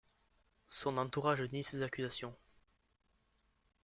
Son entourage nie ces accusations.